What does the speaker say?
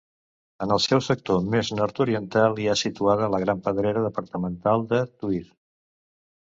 En el seu sector més nord-oriental hi ha situada la gran Pedrera departamental de Tuïr.